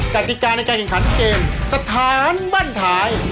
กติกาในการแข่งขันเกมสถานบ้านท้าย